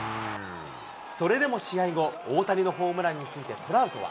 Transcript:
それでも試合後、大谷のホームランについて、トラウトは。